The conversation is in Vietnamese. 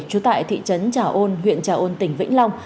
trú tại thị trấn trà ôn huyện trà ôn tỉnh vĩnh long